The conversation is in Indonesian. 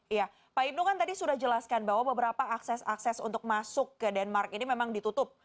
iya pak hindu kan tadi sudah jelaskan bahwa beberapa akses akses untuk masuk ke denmark ini memang ditutup